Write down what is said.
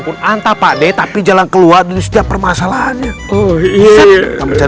pun antar pakde tapi jalan keluar di setiap permasalahannya